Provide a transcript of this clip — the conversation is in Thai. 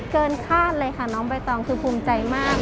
คาดเลยค่ะน้องใบตองคือภูมิใจมาก